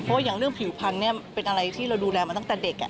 เพราะว่าอย่างเรื่องผิวพันธุ์เป็นอะไรที่เราดูแลมาตั้งแต่เด็ก